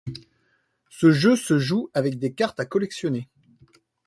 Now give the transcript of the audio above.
Ce jeu se joue avec des cartes à collectionner.